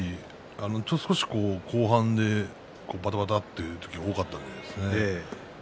後半でばたばたという時が多かったです。